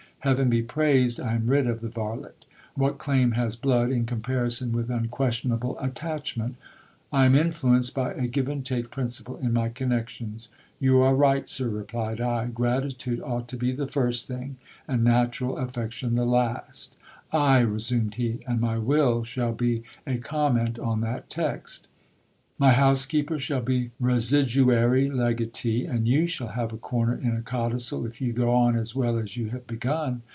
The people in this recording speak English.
Heaven be praised, I am rid of the varlet. What claim has blood, in comparison with unquestionable attachment ? I am influenced by a give and take principle in my connections. You are GIL BIAS GAINS FA VOUR WITH HIS MASTER. 43 right, sir, replied I ; gratitude ought to be the first thing, and natural affection the last. Ay ! resumed he ; and my will shall be a comment on that text. My housekeeper shall be residuary legatee ; and you shall have a corner in a codicil, if you go on as well as you have begun.